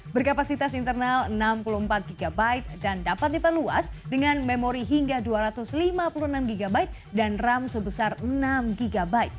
berkapasitas internal enam puluh empat gb dan dapat diperluas dengan memori hingga dua ratus lima puluh enam gb dan ram sebesar enam gb